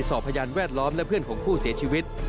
พยานแวดล้อมและเพื่อนของผู้เสียชีวิต